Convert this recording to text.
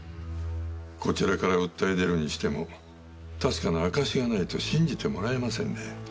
こちらから訴え出るにしても確かな証しがないと信じてもらえませんね。